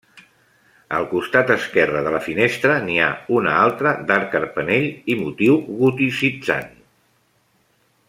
Al costat esquerre de la finestra n'hi ha una altra d'arc carpanell i motiu goticitzant.